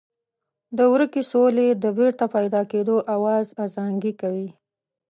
د ورکې سولې د بېرته پیدا کېدو آواز ازانګې کوي.